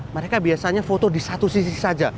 mereka biasanya foto di satu sisi saja